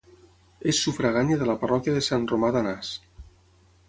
És sufragània de la parròquia de Sant Romà d'Anàs.